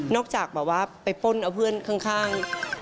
จากแบบว่าไปป้นเอาเพื่อนข้าง